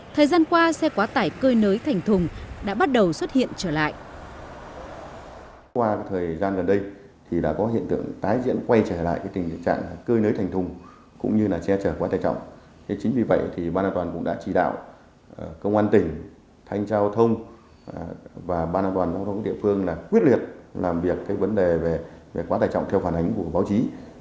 thời gian qua xe quá tải cơi nới thành thùng đã bắt đầu xuất hiện trở lại